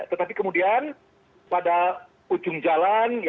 tetapi kemudian pada ujung jalan